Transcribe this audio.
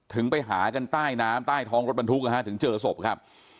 ถึงไปหากันใต้น้ำใต้ท้องรถบรรทุกถึงเจอศพครับ